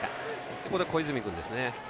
ここで小泉君ですね。